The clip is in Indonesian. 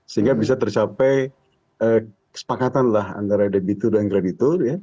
sehingga bisa tercapai kesepakatan lah antara debitur dan kreditur